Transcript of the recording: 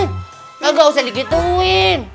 engga usah digituin